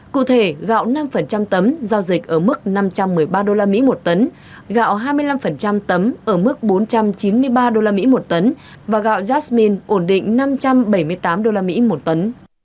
cụ thể gạo năm tấm giao dịch ở mức năm trăm một mươi ba đô la mỹ một tấn gạo hai mươi năm tấm ở mức bốn trăm chín mươi ba đô la mỹ một tấn và gạo jasmine ổn định năm trăm bảy mươi tám đô la mỹ một tấn